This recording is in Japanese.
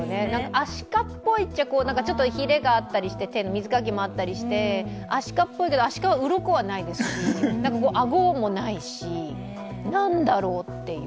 アシカっぽいっちゃヒレがあったり水かきもあったりしてアシカっぽいけど、アシカはうろこはないですし、顎もないし、なんだろうっていう。